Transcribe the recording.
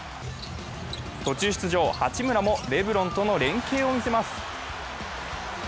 途中出場、八村もレブロンとの連係を見せます。